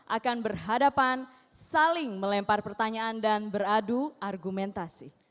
akan berhadapan saling melempar pertanyaan dan beradu argumentasi